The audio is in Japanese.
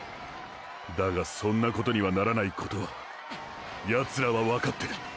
だがそんなことにはならないことはヤツらはわかってる！！